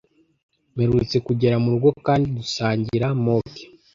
Mperutse kugera murugo kandi dusangira. (mookeee)